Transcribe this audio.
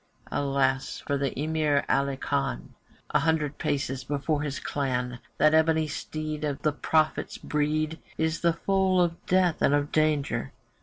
Alas for the Emir Ali Khan! A hundred paces before his clan, That ebony steed of the prophet's breed Is the foal of death and of danger.